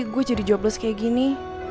gue jadi jobles kayak gini